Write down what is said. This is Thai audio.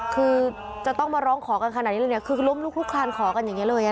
คือจะต้องมาร้องขอกันขนาดนี้เลยเนี่ยคือล้มลุกลุกคลานขอกันอย่างนี้เลย